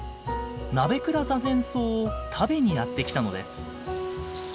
ナベクラザゼンソウを食べにやって来たのです。